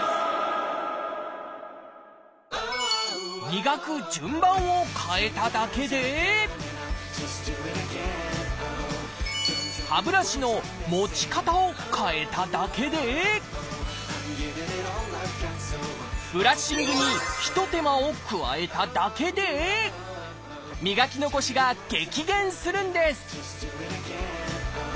磨く順番を変えただけで歯ブラシの持ち方を変えただけでブラッシングにひと手間を加えただけで磨き残しが激減するんです